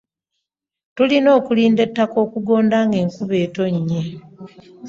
Tulina okulinda ettaka okugonda ng'enkuba etonnye.